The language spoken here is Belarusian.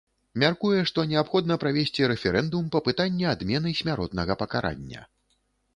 Мяркуе, што неабходна правесці рэферэндум па пытанні адмены смяротнага пакарання.